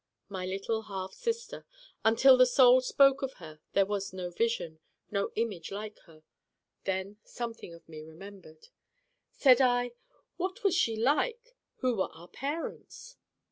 My little half sister Until the Soul spoke of her there was no vision, no image like her. Then something of me remembered. Said I: 'What was she like? Who were our parents?